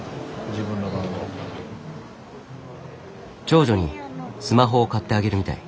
長女にスマホを買ってあげるみたい。